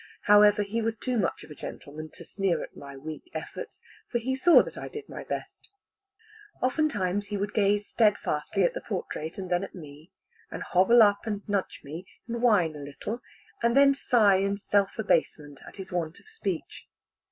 However, he was too much of a gentleman to sneer at my weak efforts, for he saw that I did my best. Oftentimes he would gaze steadfastly at the portrait and then at me, and hobble up, and nudge me, and whine, a little, and then sigh in self abasement at his want of speech.